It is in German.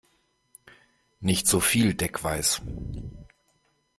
Nicht so viel Deckweiß!